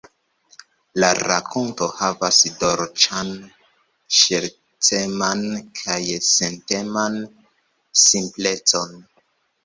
La rakonto havas dolĉan, ŝerceman kaj senteman simplecon.